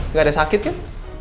gak ada sakit kan